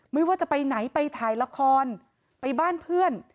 ไม่ว่าจะไปไหนไปถ่ายละครไปบ้านเพื่อน